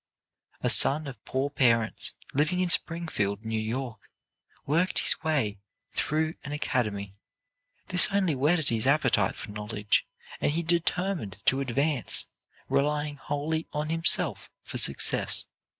A son of poor parents, living in Springfield, New York, worked his way through an academy. This only whetted his appetite for knowledge, and he determined to advance, relying wholly on himself for success.